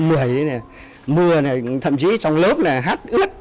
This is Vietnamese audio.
mưa này thậm chí trong lớp này hát ướt